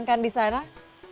apa yang dihidangkan